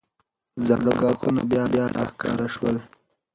زاړه ګواښونه بیا راښکاره شول.